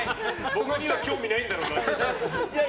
僕に興味ないんだろうなって。